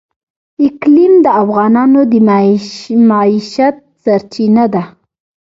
اقلیم د افغانانو د معیشت سرچینه ده.